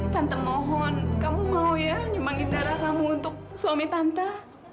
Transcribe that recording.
tante mohon kamu mau ya nyumani cara kamu untuk suami tante